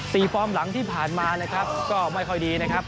ฟอร์มหลังที่ผ่านมานะครับก็ไม่ค่อยดีนะครับ